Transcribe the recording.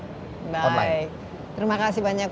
baik terima kasih banyak